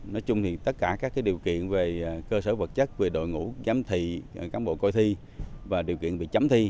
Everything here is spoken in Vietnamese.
nói chung thì tất cả các điều kiện về cơ sở vật chất về đội ngũ giám thị cán bộ coi thi và điều kiện về chấm thi